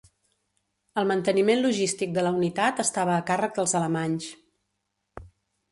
El manteniment logístic de la unitat estava a càrrec dels alemanys.